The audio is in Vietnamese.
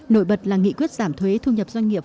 nội bật là nghị quyết giảm thuế thu nhập doanh nghiệp